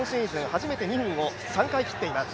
初めて２分を３回切っています。